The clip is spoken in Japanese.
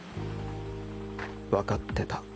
わかってた。